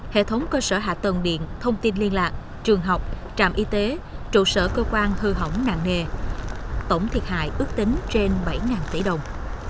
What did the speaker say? hệ thống cơ sở hạ tầng điện thông tin liên lạc trường học trạm y tế trụ sở cơ quan hư hỏng nặng nề tổng thiệt hại ước tính trên bảy tỷ đồng